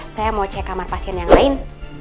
saya mau cek kamar pasien yang lain